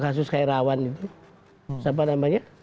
kasus herawan itu siapa namanya